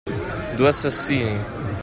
Due assassinii!